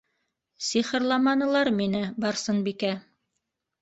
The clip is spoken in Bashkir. Сихырламанылар мине, Барсынбикә.